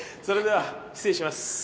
それでは失礼します。